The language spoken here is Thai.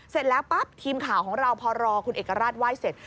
เสร็จแล้วปั๊บทีมข่าวของเราพอรอคุณเอกราชไหว้เสร็จ